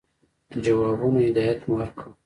جوابونو هدایت مي ورکړ.